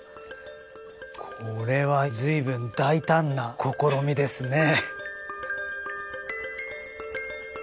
これは随分大胆な試みですね。